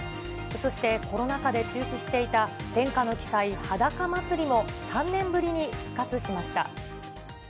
そして、コロナ禍で中止していた天下の奇祭、裸まつりも、３年ぶりに復活しました。